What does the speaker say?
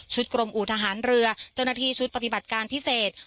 กรมอู่ทหารเรือเจ้าหน้าที่ชุดปฏิบัติการพิเศษ